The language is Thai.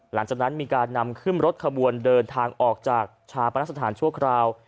หลังจากนั้นมีการนำขึ้นรถขบวนเดินทางออกจากชาปนสถานชั่วคราว